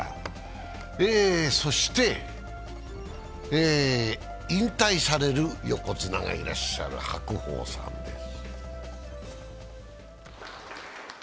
そして引退される横綱がいらっしゃる、白鵬さんです。